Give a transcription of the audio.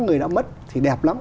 người đã mất thì đẹp lắm